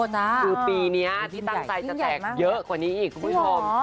ดูปีเนี่ยที่ตั้งใจจะแตกเยอะกว่านี้อีกครับผู้ชม